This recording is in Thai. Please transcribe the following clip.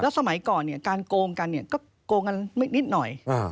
แล้วสมัยก่อนเนี่ยการโกงกันเนี่ยก็โกงกันนิดหน่อย